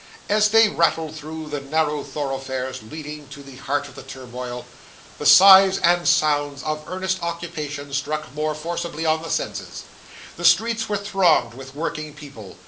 As they rattled through the narrow thoroughfares leading to the heart of the turmoil, the sights and sounds of earnest occupation struck more forcibly on the senses. The streets were thronged with working people.